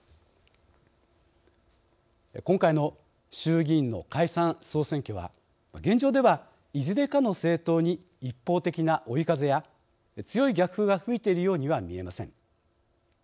今回の衆議院の解散・総選挙は現状ではいずれかの政党に一方的な追い風や強い逆風が吹いているようには見えません。